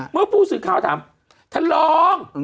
เมื่อผู้สื่อข่าวถามท่านรอง